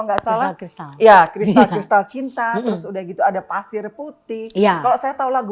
nggak salah kristal kristal cinta udah gitu ada pasir putih iya kalau saya tahu lagu